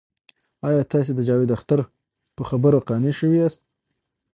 آیا تاسې د جاوید اختر په خبرو قانع شوي یاست؟